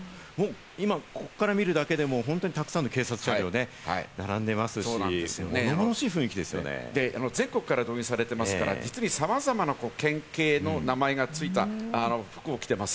今ここから見るだけでも本当にたくさんの警察車両が並んでいますし、全国から動員されていますから、実にさまざまな県警の名前が付いた服を着ています。